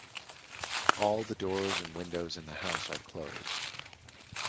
All the doors and windows in the house are closed.